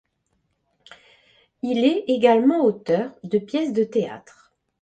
Il est également auteur de pièces de théâtre.